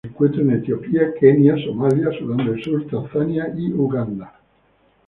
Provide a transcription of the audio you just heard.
Se encuentra en Etiopía, Kenia, Somalia, Sudán del Sur, Tanzania y Uganda.